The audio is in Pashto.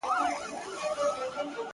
ستا په تصویر پسې اوس ټولي بُتکدې لټوم,